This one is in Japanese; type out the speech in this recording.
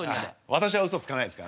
私はうそつかないですからね。